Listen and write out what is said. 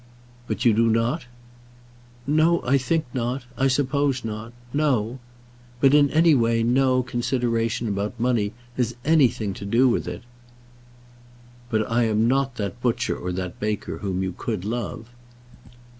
"But you do not?" "No; I think not. I suppose not. No. But in any way no consideration about money has anything to do with it." "But I am not that butcher or that baker whom you could love?"